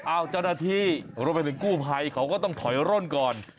เจ้าหน้าที่รวมไปถึงกู้ภัยเขาก็ต้องถอยร่นก่อน